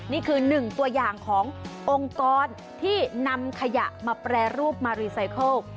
นี่คือหนึ่งตัวอย่างขององค์กรที่นำขยะมาแปรรูปมารีไซเคิล